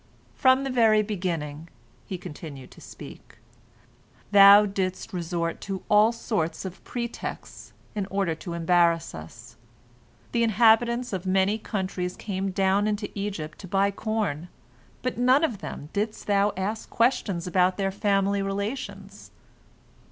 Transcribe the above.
"From the very beginning," he continued to speak, "thou didst resort to all sorts of pretexts in order to embarrass us. The inhabitants of many countries came down into Egypt to buy corn, but none of them didst thou ask questions about their family relations.